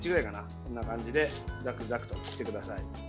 こんな感じでザクザクと切ってください。